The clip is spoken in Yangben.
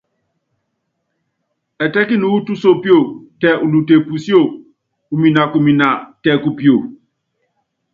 Ɛtɛ́kini wu túnsopio, tɛ ulute pusíó, uminakumina tɛ kupio.